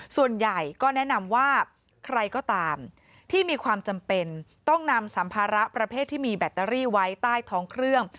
ส่วนใหญ่ก็แนะนำว่าใครก็ตามที่มีความจำเป็นต้องนำสัมภาระประเภทที่มีแบตเตอรี่ไว้ใต้ท้องเครื่อง